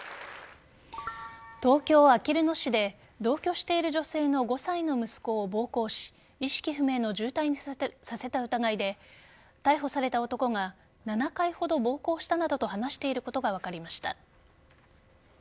東京・あきる野市で同居している女性の５歳の息子を暴行し意識不明の重体にさせた疑いで逮捕された男が７回ほど暴行したなどと話していることが分かりました。